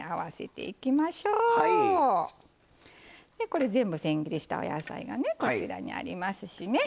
これ全部せん切りしたお野菜がねこちらにありますしね。